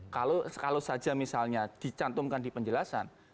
kalau saja misalnya dicantumkan di penjelasan